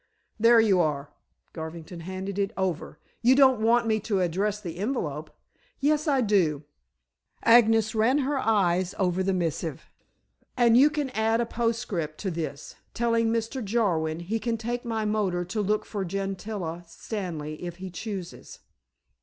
"There you are." Garvington handed it over. "You don't want me to address the envelope?" "Yes, I do," Agnes ran her eyes over the missive; "and you can add a postscript to this, telling Mr. Jarwin he can take my motor to look for Gentilla Stanley if he chooses."